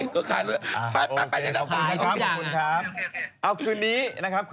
เขาบอกแพงแพงร้านเธอแพงกว่าที่อื่นกรับ